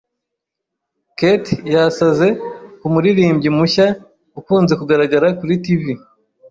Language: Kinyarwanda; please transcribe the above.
Kate yasaze kumuririmbyi mushya ukunze kugaragara kuri TV.